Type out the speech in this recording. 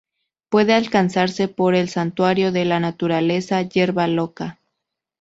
Puede alcanzarse por el Santuario de la Naturaleza Yerba Loca.